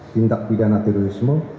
tindak pidana terorisme